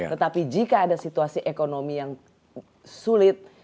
tetapi jika ada situasi ekonomi yang sulit